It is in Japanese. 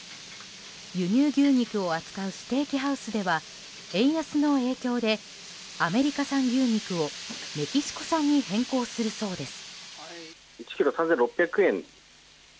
輸入牛肉を扱うステーキハウスでは円安の影響でアメリカ産牛肉をメキシコ産に変更するそうです。